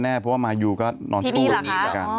เพราะว่ามายุก็นอนตู้อยู่นี้ด้วยกัน